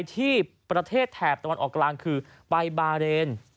ที่ประเทศแถบตะวันออกกลางคือไปบาเรน